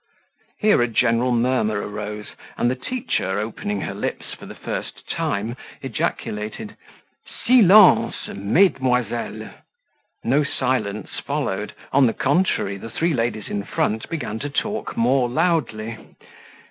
Here a general murmur arose, and the teacher, opening her lips for the first time, ejaculated "Silence, mesdemoiselles!" No silence followed on the contrary, the three ladies in front began to talk more loudly.